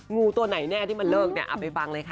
งูตัวไหนแน่ที่มันเลิกอับไปฟังเลยค่ะ